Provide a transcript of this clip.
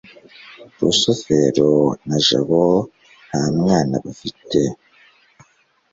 rusufero na jabo nta mwana bafite